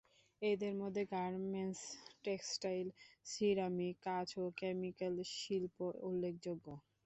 এদের মধ্যে garments, textile, ceramic, কাচ ও কেমিক্যাল শিল্প উল্লেখযোগ্য।